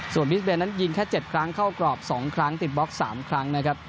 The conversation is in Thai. ส่วนบิสเบย์นั้นยิงแค่๗ครั้งเข้ากรอบ๒ครั้งติดบล็อก๓ครั้งนะครับ